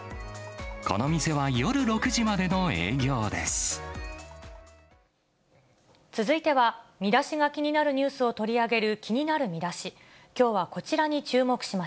この店は夜６時までの営業で続いては、ミダシが気になるニュースを取り上げる気になるミダシ。